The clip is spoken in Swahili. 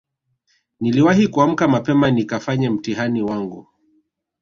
niliwahi kuamka mapema nikafanye mtihani wangu